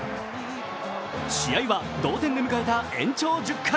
試合は同点で迎えた延長１０回。